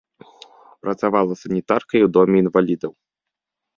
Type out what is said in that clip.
Працавала санітаркай у доме інвалідаў.